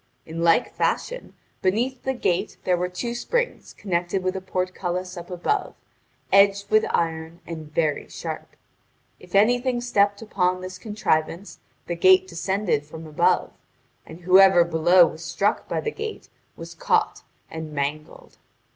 In like fashion, beneath the gate there were two springs connected with a portcullis up above, edged with iron and very sharp. If anything stepped upon this contrivance the gate descended from above, and whoever below was struck by the gate was caught and mangled.